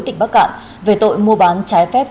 tỉnh bắc cạn về tội mua bán trái phép